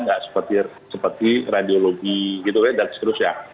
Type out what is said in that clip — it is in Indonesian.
nggak seperti radiologi gitu ya dan seterusnya